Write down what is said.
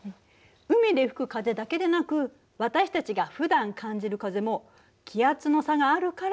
海で吹く風だけでなく私たちがふだん感じる風も気圧の差があるから吹いている。